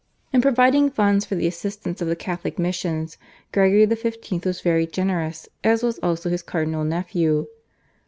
In providing funds for the assistance of the Catholic missions Gregory XV. was very generous as was also his cardinal nephew.